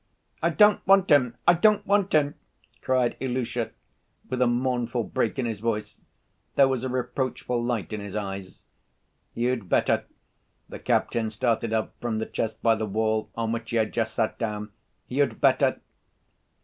"I don't want him, I don't want him!" cried Ilusha, with a mournful break in his voice. There was a reproachful light in his eyes. "You'd better," the captain started up from the chest by the wall on which he had just sat down, "you'd better